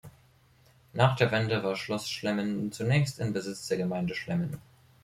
Nach der Wende war Schloss Schlemmin zunächst im Besitz der Gemeinde Schlemmin.